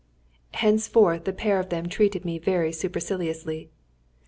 ] Henceforth the pair of them treated me very superciliously.